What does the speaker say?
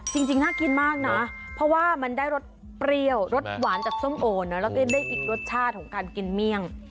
จริงน่ากินมากนะเพราะว่ามันได้รสเปรี้ยวรสหวานจากส้มโอเนอะแล้วก็ได้อีกรสชาติของการกินเมี่ยง